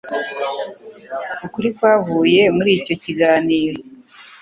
Ukuri kwavuye muri icyo kiganiro,